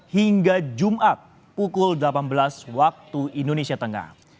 hingga jumat pukul delapan belas waktu indonesia tengah